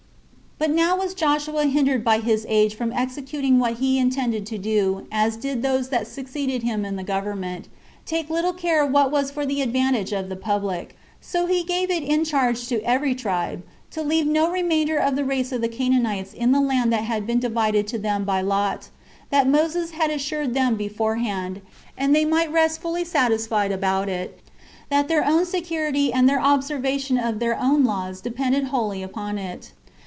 24. But now was Joshua hindered by his age from executing what he intended to do [as did those that succeeded him in the government, take little care of what was for the advantage of the public]; so he gave it in charge to every tribe to leave no remainder of the race of the Canaanites in the land that had been divided to them by lot; that Moses had assured them beforehand, and they might rest fully satisfied about it, that their own security and their observation of their own laws depended wholly upon it.